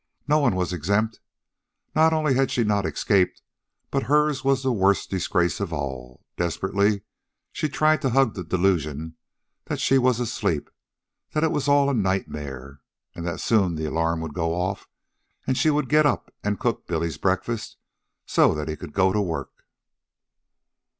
No one was exempt. Not only had she not escaped, but hers was the worst disgrace of all. Desperately she tried to hug the delusion that she was asleep, that it was all a nightmare, and that soon the alarm would go off and she would get up and cook Billy's breakfast so that he could go to work.